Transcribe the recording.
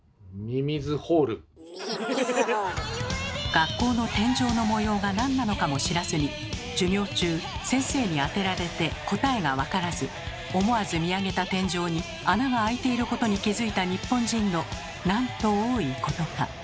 学校の天井の模様が何なのかも知らずに授業中先生に当てられて答えが分からず思わず見上げた天井に穴があいていることに気付いた日本人のなんと多いことか。